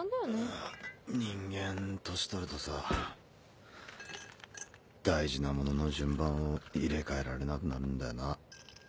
人間年取るとさ大事なものの順番を入れ替えられなくなるんだよな。